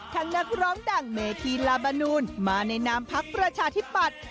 นักร้องดังเมธีลาบานูนมาในนามพักประชาธิปัตย์